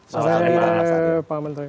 selamat sore pak menteri